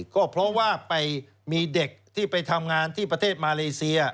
ก็เพราะว่าไปมีเด็กที่ไปทำงานที่ประเทศมาเลเซีย